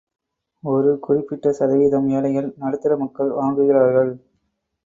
ஒரு குறிப்பிட்ட சதவீதம் ஏழைகள், நடுத்தர மக்கள் வாங்குகிறார்கள்.